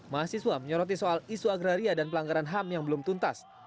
mahasiswa menyoroti soal isu agraria dan pelanggaran ham yang belum tuntas